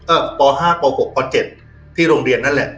อ่ะป่าวห้าป่าวหกป่าวเจ็ดที่โรงเรียนนั่นแหละ